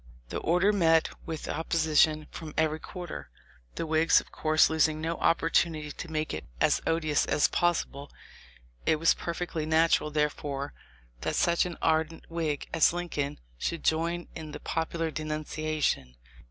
The order met with opposition from every quarter — the Whigs of course losing no opportunity to make it as odious as possible. It was perfectly natural, therefore, that such an ardent Whig as Lincoln should join in the popular denunciation.